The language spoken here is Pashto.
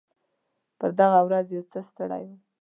په دغه ورځ یو څه ستړی وم.